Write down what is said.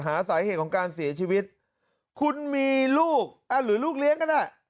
หาสาเหตุของการเสียชีวิตคุณมีลูกหรือลูกเลี้ยงก็ได้